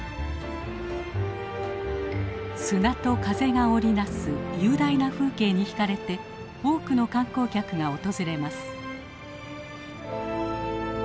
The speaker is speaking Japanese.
砂と風が織り成す雄大な風景に引かれて多くの観光客が訪れます。